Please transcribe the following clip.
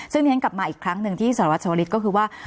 ซึ่งที่ฉันกลับมาอีกครั้งหนึ่งที่สารวัชวลิศก็คือว่า